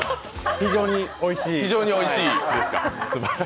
非常においしい。